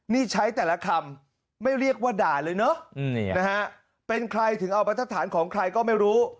นี่ใช้แต่ละคำไม่เรียกว่าด่าเลยเนอะนะฮะเป็นใครถึงเอาบรรทฐานของใครก็ไม่รู้